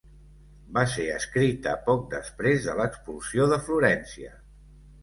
Va ser escrita poc després de l'expulsió de Florència.